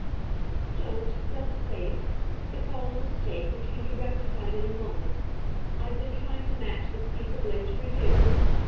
"Don't don't say it! It's all a mistake, which can be rectified in a moment. I've been trying to match this piece of lace for years.